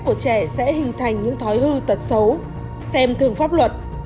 của trẻ sẽ hình thành những thói hư tật xấu xem thường pháp luật